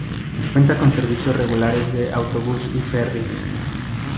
Cuenta con servicios regulares de autobús y ferry.